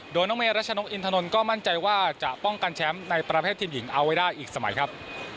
โดยน้องเมรัชนกอินทนนท์ก็มั่นใจว่าจะป้องกันแชมป์ในประเภททีมหญิงเอาไว้ได้อีกสมัยครับ